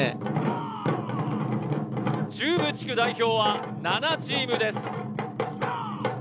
中部地区代表は７チームです。